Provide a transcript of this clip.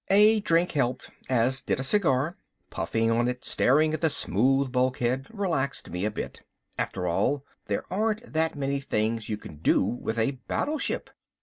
A drink helped, as did a cigar. Puffing on it, staring at the smooth bulkhead, relaxed me a bit. After all there aren't that many things you can do with a battleship.